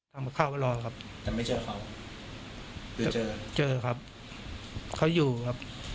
ทำกับข้าวแล้วรอครับจะไม่เจอเขาเจอครับเขาอยู่ครับ